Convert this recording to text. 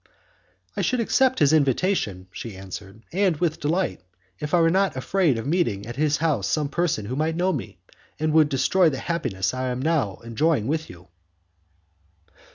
"I should accept his invitation," she answered, "and with delight, if I were not afraid of meeting at his house some person who might know me, and would destroy the happiness I am now enjoying with you."